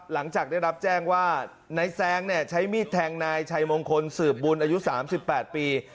หลังจากได้รับแจ้งว่านายแซงใช้มีดแทงนายชัยมงคลสืบบุญอายุ๓๘ปี